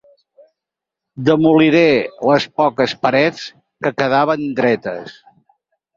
Demoliré les poques parets que quedaven dretes.